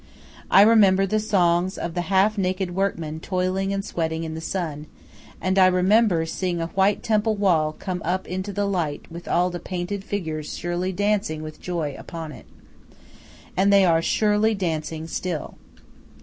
I remember the songs of the half naked workmen toiling and sweating in the sun, and I remember seeing a white temple wall come up into the light with all the painted figures surely dancing with joy upon it. And they are surely dancing still.